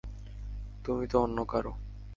তুমি তো অন্য কারও।